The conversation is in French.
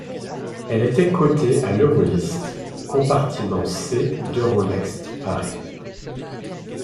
Elle était cotée à l'Eurolist compartiment C d'Euronext Paris.